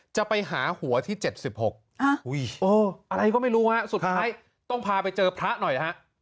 จะไปหาหัวที่เจ็บสิบหกอะไรก็ไม่รู้สุดท้ายต้องพาไปเจอพระหน่อย